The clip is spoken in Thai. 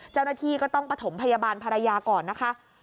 เจ้าหน้าที่ก็ต้องประถมพยาบาลภรรยาก่อนนะคะ